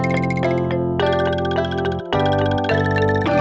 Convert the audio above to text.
tidak ada motornya di taman